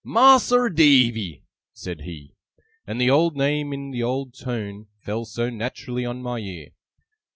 'Mas'r Davy,' said he. And the old name in the old tone fell so naturally on my ear!